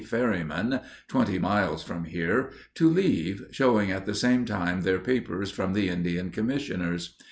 ferrymen, twenty miles from here, to leave, showing at the same time their papers from the Indian Commissioners.